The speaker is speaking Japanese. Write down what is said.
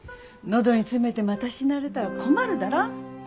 喉に詰めてまた死なれたら困るだら。